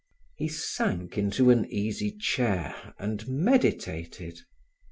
He sank into an easy chair and meditated.